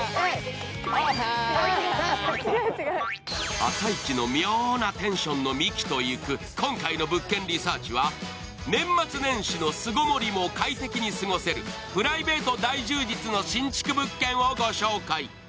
朝一の妙なテンションのミキと行く今回の「物件リサーチ」は年末年始の巣ごもりも快適に過ごせるプライベート大充実の新築物件をご紹介。